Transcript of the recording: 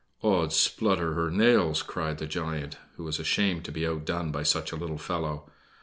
"Ods splutter hur nails!" cried the giant, who was ashamed to be outdone by such a little fellow.